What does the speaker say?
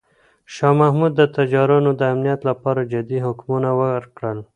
شاه محمود د تجارانو د امنیت لپاره جدي حکمونه ورکړل.